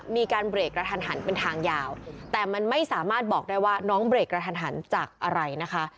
มีการเบรกกระทันหันเป็นทางยาวแต่มันไม่สามารถบอกได้ว่าน้องเบรกกระทันหันจากอะไรนะคะ